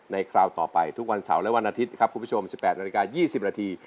ในคราวต่อไปทุกวันเสาร์และวันอาทิตย์ครับคุณผู้ชมสิบแปดนาฬิกายี่สิบระที